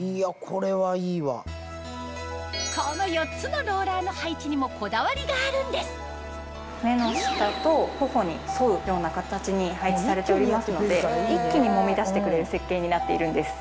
この４つのローラーの配置にもこだわりがあるんです目の下と頬に沿うような形に配置されておりますので一気にもみ出してくれる設計になっているんです。